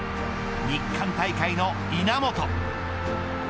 日韓大会の稲本